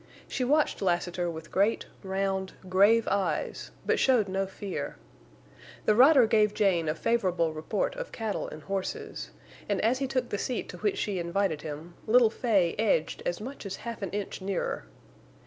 She watched Lassiter with great, round, grave eyes, but showed no fear. The rider gave Jane a favorable report of cattle and horses; and as he took the seat to which she invited him, little Fay edged as much as half an inch nearer.